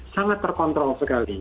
sangat terkontrol sekali